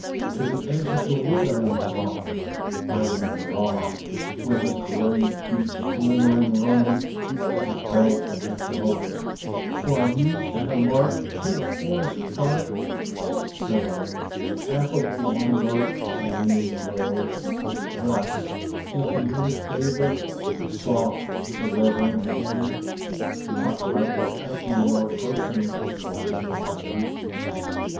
To the edge of the wood I am drawn, I am drawn, Where the gray beach glimmering runs, as a belt of the dawn, For a mete and a mark To the forest dark: So: Affable live oak, leaning low, Thus with your favor soft, with a reverent hand, (Not lightly touching your person, Lord of the land!)